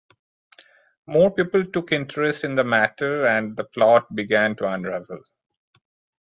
More people took interest in the matter and the plot began to unravel.